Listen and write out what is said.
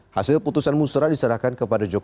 hasil putusan musrah diserahkan kepada jokowi